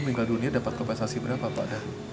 meninggal dunia dapat kompensasi berapa pak